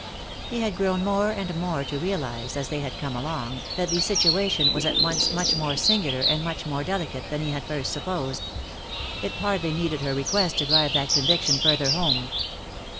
He had grown more and more to realise, as they had come along, that the situation was at once much more singular, and much more delicate, than he at first supposed. It hardly needed her request to drive that conviction further home.